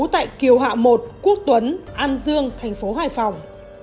tại kiều hạ một quốc tuấn an dương tp hải phòng